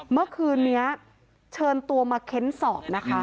เมื่อคืนนี้เชิญตัวมาเค้นสอบนะคะ